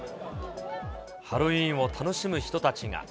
ハロウィーンを楽しむ人たちが。